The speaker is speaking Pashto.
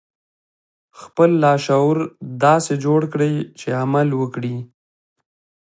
خپل لاشعور داسې جوړ کړئ چې عمل وکړي